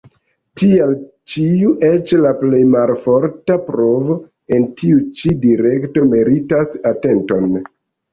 Tial ĉiu eĉ la plej malforta provo en tiu ĉi direkto meritas atenton.